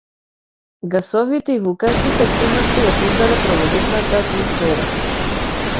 Гасовите и вулканските активности ја создале првобитната атмосфера.